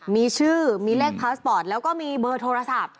มีชื่อมีเลขพาสปอร์ตแล้วก็มีเบอร์โทรศัพท์